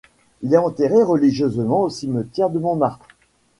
Il est enterré religieusement au Cimetière de Montmartre.